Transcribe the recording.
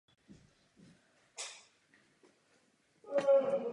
Přistáli po třech dnech letu na hladině Atlantského oceánu.